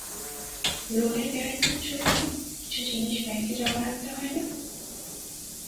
লোনের গ্যারান্টি জন্য কিছু জিনিস ব্যাংকে জমা রাখতে হয় না?